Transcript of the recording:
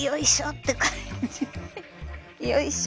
よいしょ！